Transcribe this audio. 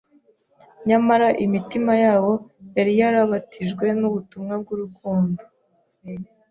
Nyamara imitima yabo yari yarabatijwe n’ubutumwa bw’urukundo.